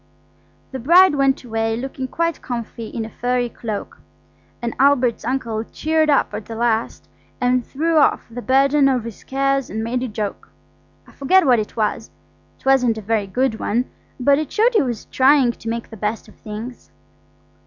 The bride went away looking quite comfy in a furry cloak, and Albert's uncle cheered up at the last and threw off the burden of his cares and made a joke. I forget what it was; it wasn't a very good one, but it showed he was trying to make the best of things.